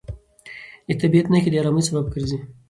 د طبیعت نښې د ارامۍ سبب ګرځي.